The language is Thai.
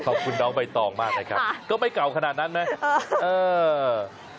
ขอบคุณน้องใบตองมากนะครับก็ไม่เก่าขนาดนั้นไหม